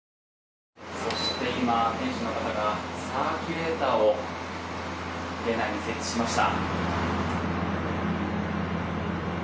今店主の方がサーキュレーターを玄関に設置しました。